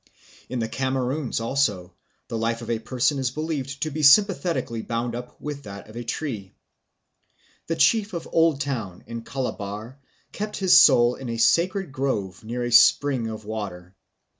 In the Cameroons, also, the life of a person is believed to be sympathetically bound up with that of a tree. The chief of Old Town in Calabar kept his soul in a sacred grove near a spring of water.